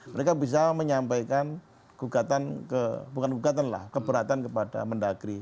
mereka bisa menyampaikan keberatan kepada mendagri